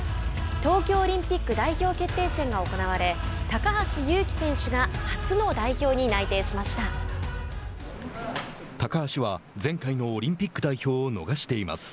東京オリンピック代表決定戦が行われ高橋侑希選手が高橋は、前回のオリンピック代表を逃しています。